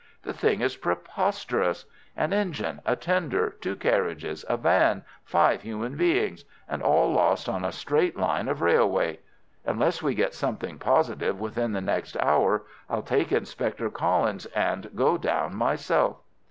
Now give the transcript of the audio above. The thing is preposterous. An engine, a tender, two carriages, a van, five human beings—and all lost on a straight line of railway! Unless we get something positive within the next hour I'll take Inspector Collins, and go down myself."